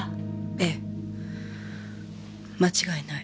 ええ間違いない。